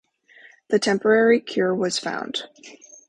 A temporary cure was found.